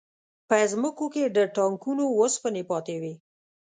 په ځمکو کې د ټانکونو وسپنې پاتې وې